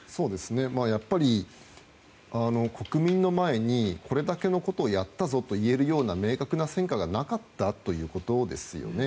やっぱり、国民の前にこれだけのことをやったぞと言えるような明確な戦果がなかったということですよね。